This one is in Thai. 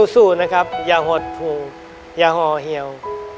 สู้นะครับอย่าหดหูอย่าห่อเหี่ยว